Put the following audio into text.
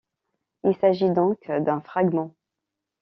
Il s'agit donc d'un fragment.